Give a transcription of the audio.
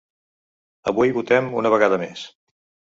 Avui votem, una vegada més.